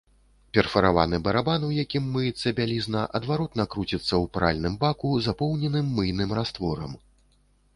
Перфараваны барабан, у якім мыецца бялізна, адваротна круціцца ў пральным баку, запоўненым мыйным растворам.